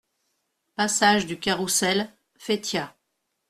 Passage du Caroussel, Feytiat